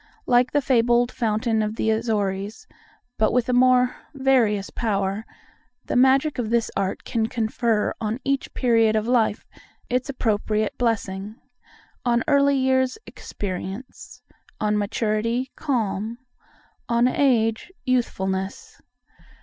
Like the fabled fountain of the Azores, but with a more various power, the magic of this art can confer on each period of life its appropriate blessing—on early years, experience; on maturity, calm; on age, youthfulness.